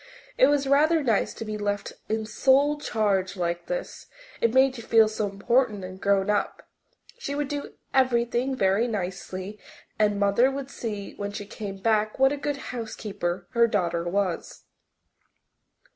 It was rather nice to be left in sole charge like this it made you feel so important and grown up. She would do everything very nicely and Mother would see when she came back what a good housekeeper her daughter was.